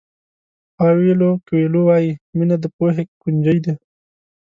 پاویلو کویلو وایي مینه د پوهې کونجۍ ده.